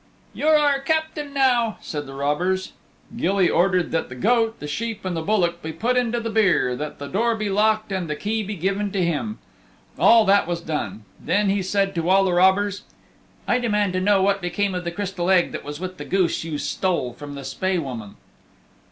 "You're our Captain now," said the robbers. Gilly ordered that the goat, the sheep and the bullock be put into the byre, that the door be locked and the key be given to him. All that was done. Then said he to all the robbers, "I demand to know what became of the Crystal Egg that was with the goose you stole from the Spae Woman."